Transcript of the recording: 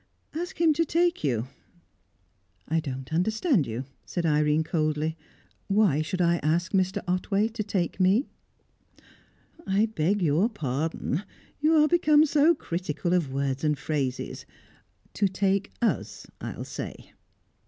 Ask him to take you." "I don't understand you," said Irene coldly. "Why should I ask Mr. Otway to take me?" "I beg your pardon. You are become so critical of words and phrases. To take us, I'll say."